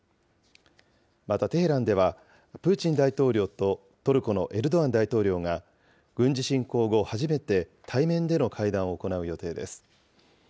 また、テヘランでは、プーチン大統領とトルコのエルドアン大統領が、軍事侵攻後初めて対面での会談を行う予定です。